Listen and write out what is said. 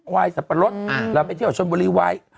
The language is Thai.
วายสับปะรดเราไปเที่ยวชนบุรีไว้